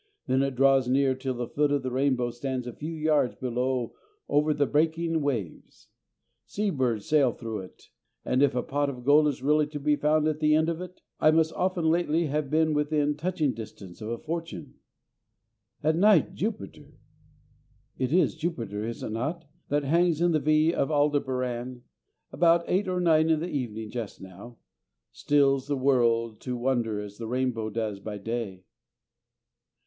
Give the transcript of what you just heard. Then it draws near till the foot of the rainbow stands a few yards below over the breaking waves. Sea birds sail through it, and, if a pot of gold is really to be found at the end of it, I must often lately have been within touching distance of a fortune.... At night, Jupiter it is Jupiter, is it not? that hangs in the V of Aldebaran about eight or nine in the evening just now stills the world to wonder as the rainbow does by day.